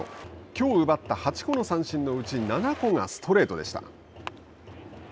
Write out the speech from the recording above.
きょう奪った８個の三振のうち、７個がストレートでした。